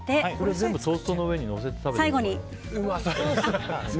全部トーストの上にのせて。